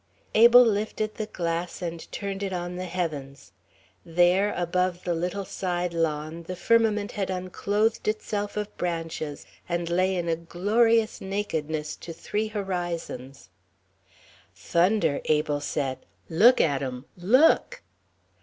Abel lifted the glass and turned it on the heavens. There, above the little side lawn, the firmament had unclothed itself of branches and lay in a glorious nakedness to three horizons. "Thunder," Abel said, "look at 'em look."